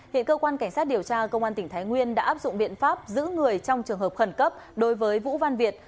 hiện cơ quan cảnh sát điều tra công an tỉnh thái nguyên đã áp dụng biện pháp giữ người trong trường hợp khẩn cấp đối với vũ văn việt